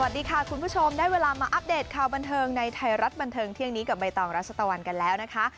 สวัสดีค่ะคุณผู้ชมได้เวลามาอัปเดตข่าวบันเทิงในไทยรัฐบันเทิงเที่ยงนี้กับใบตองรัชตะวันกันแล้วนะคะ